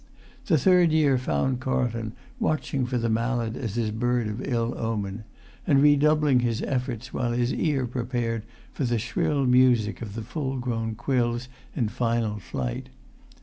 The third year found Carlton watching for the mallard as his bird of ill omen, and redoubling his efforts while his ear prepared for the shrill music of the full grown quills in final flight.